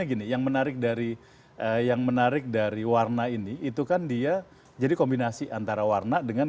gini yang menarik dari yang menarik dari warna ini itu kan dia jadi kombinasi antara warna dengan